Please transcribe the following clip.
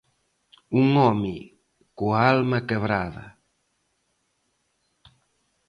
Un home coa alma quebrada.